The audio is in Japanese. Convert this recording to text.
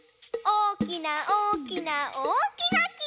おおきなおおきなおおきなき！